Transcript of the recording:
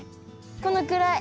このくらい。